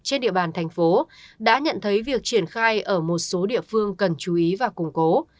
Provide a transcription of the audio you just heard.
trên địa bàn thành phố đã nhận thấy việc triển khai ở một số địa phương cần chú ý và củng cố